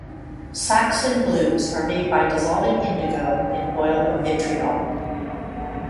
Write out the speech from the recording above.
Saxon blues are made by dissolving indigo in oil of vitriol.